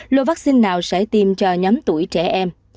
lô vaccine nào sẽ tiêm cho nhóm tuổi trẻ em